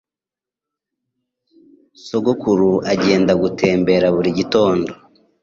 Sogokuru agenda gutembera buri gitondo.